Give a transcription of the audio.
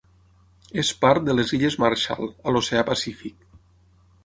És part de les Illes Marshall a l'Oceà Pacífic.